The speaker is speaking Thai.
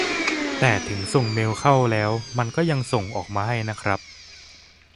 แต่ถึงส่งเมลเข้าแล้วมันก็ยังส่ง ออกมาให้นะครับ